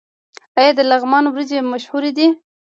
آیا د لغمان وریجې مشهورې دي؟